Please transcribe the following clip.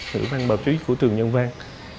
nữ văn bào trí của trường nhân văn